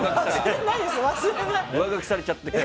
上書きされちゃって。